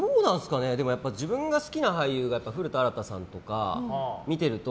自分が好きな俳優が古田新太さんとか見ていると。